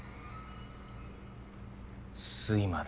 睡魔だ。